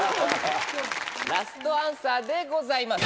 ラストアンサーでございます。